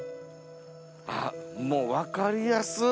あっもう分かりやすっ！